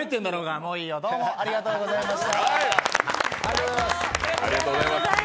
もういいよ、ありがとうございました。